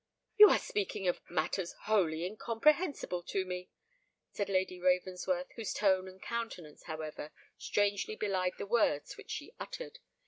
"You are speaking of matters wholly incomprehensible to me," said Lady Ravensworth, whose tone and countenance, however, strangely belied the words which she uttered.